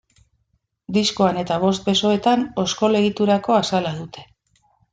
Diskoan eta bost besoetan oskol egiturako azala dute.